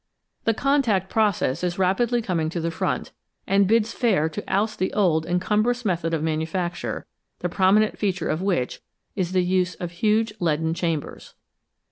The " contact " process is rapidly coming to the front, and bids fair to oust the old and cumbrous method of manufacture, the prominent feature of which is the use of huge leaden chambers.